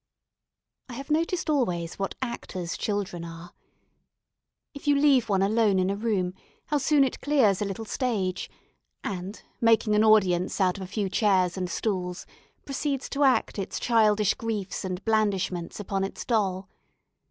I have noticed always what actors children are. If you leave one alone in a room, how soon it clears a little stage; and, making an audience out of a few chairs and stools, proceeds to act its childish griefs and blandishments upon its doll.